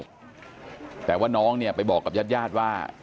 เพราะว่าน้องเนี่ยไปบอกกับญาติว่า